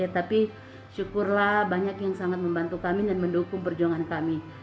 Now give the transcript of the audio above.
tapi syukurlah banyak yang sangat membantu kami dan mendukung perjuangan kami